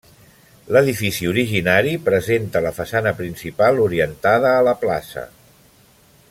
L'edifici originari presenta la façana principal orientada a la plaça.